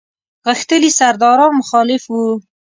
غښتلي سرداران مخالف ول.